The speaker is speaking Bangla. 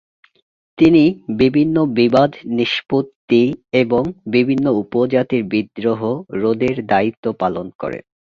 তিনি বিভিন্ন বিবাদ নিষ্পত্তি এবং বিভিন্ন উপজাতির বিদ্রোহ রোধের দায়িত্ব পালন করেন।